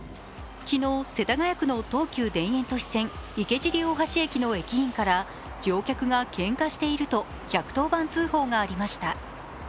昨日、世田谷区の東急田園都市線、池尻大橋駅の駅員から乗客がけんかしていると１１０番通報がありました。